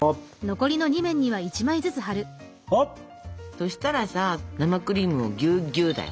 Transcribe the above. そしたらさ生クリームをぎゅっぎゅっだよ。